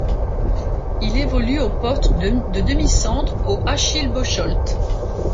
Il évolue au poste de demi-centre au Achilles Bocholt.